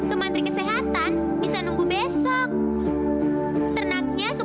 sehatan bisa menunggu besok